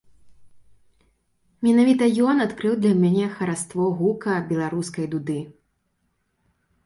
Менавіта ён адкрыў для мяне хараство гука беларускай дуды.